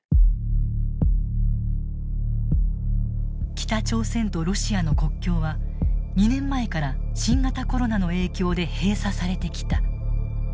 北朝鮮とロシアの国境は２年前から新型コロナの影響で閉鎖されてきた。